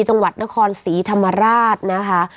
จังหวัดนครศรีธรรมราชนะคะ